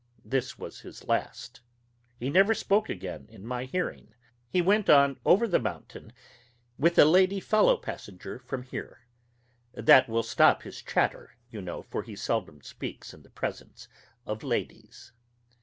This was his last. He never spoke again in my hearing. He went on over the mountains with a lady fellow passenger from here. That will stop his chatter, you know, for he seldom speaks in the presence of ladies.